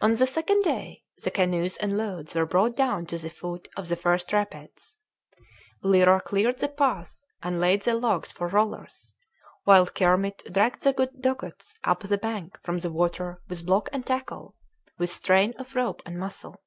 On the second day the canoes and loads were brought down to the foot of the first rapids. Lyra cleared the path and laid the logs for rollers, while Kermit dragged the dugouts up the bank from the water with block and tackle, with strain of rope and muscle.